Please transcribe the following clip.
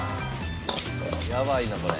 やばいなこれ。